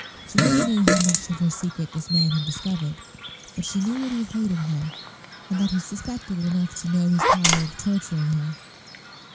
She little knew how much of her secret this man had discovered; but she knew that he hated her, and that he suspected enough to know his power of torturing her.